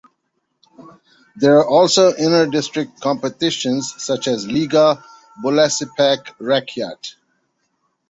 There are also inter-district competitions such as Liga Bolasepak Rakyat.